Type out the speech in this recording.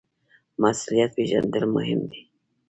مسوولیت پیژندل مهم دي